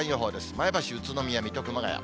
前橋、宇都宮、水戸、熊谷。